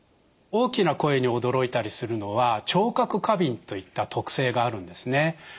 大きな声に驚いたりするのは聴覚過敏といった特性があるんですね。